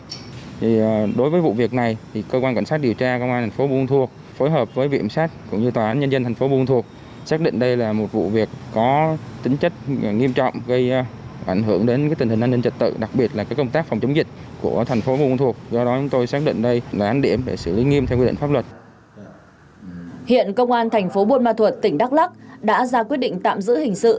hiện công an thành phố buôn ma thuật tỉnh đắk lắc đã ra quyết định tạm giữ hình sự